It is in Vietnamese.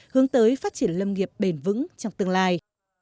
hướng tới phát triển lâm nghiệp bền vững trong tương lai